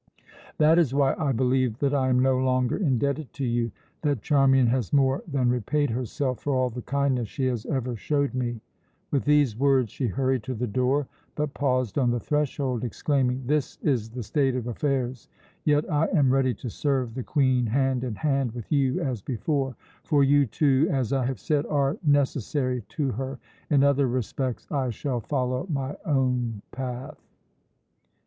That is why I believe that I am no longer indebted to you, that Charmian has more than repaid herself for all the kindness she has ever showed me." With these words she hurried to the door, but paused on the threshold, exclaiming: "This is the state of affairs; yet I am ready to serve the Queen hand in hand with you as before; for you two as I have said are necessary to her. In other respects I shall follow my own path."